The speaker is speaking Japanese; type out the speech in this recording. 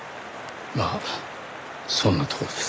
まあそんなところです。